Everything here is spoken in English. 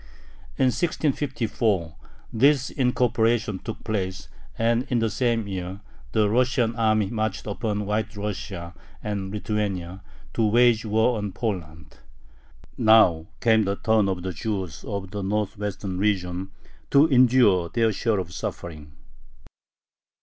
In 1654 this incorporation took place, and in the same year the Russian army marched upon White Russia and Lithuania to wage war on Poland. Now came the turn of the Jews of the northwestern region to endure their share of suffering.